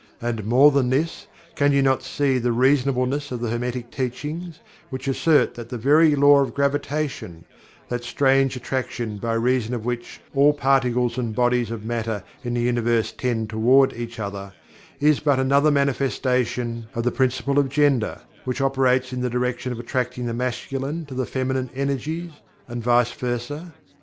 And more than this, can you not see the reasonableness of the Hermetic Teachings which assert that the very Law of Gravitation that strange attraction by reason of which all particles and bodies of matter in the universe tend toward each other is but another manifestation of the Principle of Gender, which operates in the direction of attracting the Masculine to the Feminine energies, and vice versa?